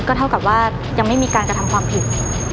เท่ากับว่ายังไม่มีการกระทำความผิด